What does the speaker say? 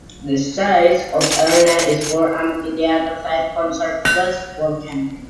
The size of the arena is for amphitheater-type concerts plus for camping.